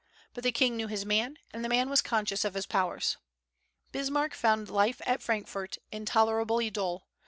But the king knew his man, and the man was conscious of his powers. Bismarck found life at Frankfort intolerably dull.